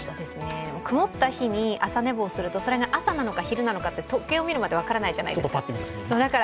曇った日に朝寝坊すると、それが朝なのか、昼なのか時計を見るまで分からないじゃないですか。